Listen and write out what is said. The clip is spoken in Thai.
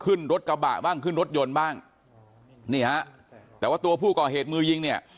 ขึ้นรถกระบะบ้างขึ้นรถยนต์บ้างนี่ฮะแต่ว่าตัวผู้ก่อเหตุมือยิงเนี่ย